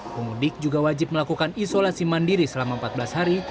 pemudik juga wajib melakukan isolasi mandiri selama empat belas hari